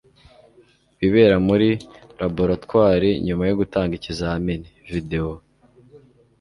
ibibera muri laboratwari nyuma yo gutanga ikizamini